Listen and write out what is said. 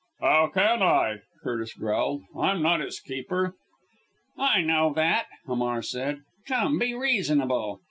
"How can I?" Curtis growled. "I'm not his keeper." "I know that!" Hamar said. "Come be reasonable.